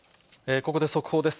ここで速報です。